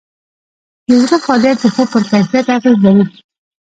د زړه فعالیت د خوب پر کیفیت اغېز لري.